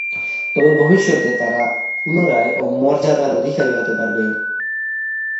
তবে ভবিষ্যতে তারা পুনরায় এ মর্যাদার অধিকারী হতে পারবে।